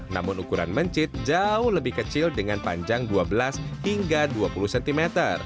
namun ukuran mencit jauh lebih kecil dengan panjang dua belas hingga dua puluh cm